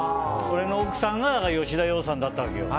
俺の奥さんが吉田羊さんだったわけよ。